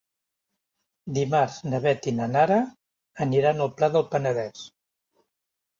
Dimarts na Beth i na Nara aniran al Pla del Penedès.